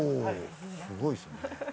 すごいですね。